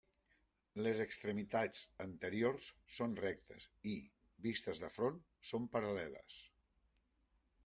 Les extremitats anteriors són rectes i, vistes de front, són paral·leles.